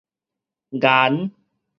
顏